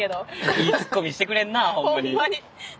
いいツッコミしてくれんなホンマに。